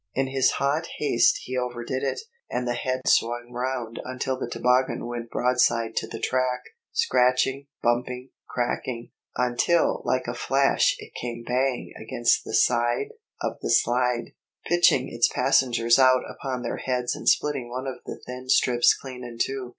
In his hot haste he overdid it, and the head swung round until the toboggan went broadside to the track, scratching, bumping, cracking, until like a flash it came bang against the side of the slide, pitching its passengers out upon their heads and splitting one of the thin strips clean in two.